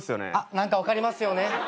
何か分かりますよね。